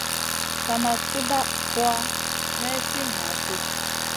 Sa ma suɗawa may fi ŋaʼaɗ ɗi.